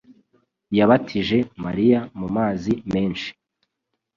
Yabatije Mariya mumazi menshi